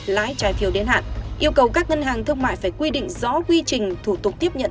lãi trái phiếu đến hạn yêu cầu các ngân hàng thương mại phải quy định rõ quy trình thủ tục tiếp nhận